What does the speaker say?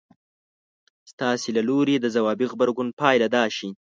ستاسې له لوري د ځوابي غبرګون پايله دا شي.